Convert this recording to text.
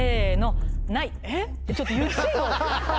ちょっと言ってよ！